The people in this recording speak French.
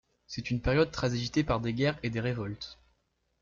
C'est une période très agitée par des guerres et des révoltes.